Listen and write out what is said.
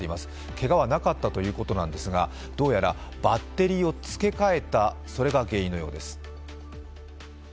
けがはなかったということですが、どうやらバッテリーを付け替えたそれが原因のようです。